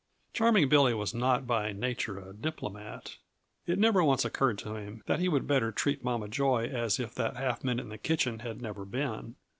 Charming Billy was not by nature a diplomat; it never once occurred to him that he would better treat Mama Joy as if that half minute in the kitchen had never been.